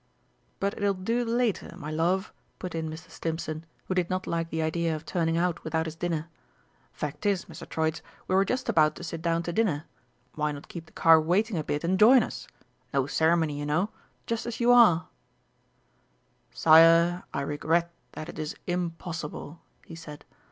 "But it'll do later, my love," put in Mr. Stimpson, who did not like the idea of turning out without his dinner. "Fact is, Mr. Troitz, we were just about to sit down to dinner. Why not keep the car waiting a bit and join us? No ceremony, you know just as you are!" "Sire, I regret that it is impossible," he said.